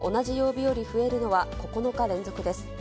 東京都で前の週と同じ曜日より増えるのは９日連続です。